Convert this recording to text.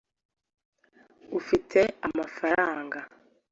ufite amafaranga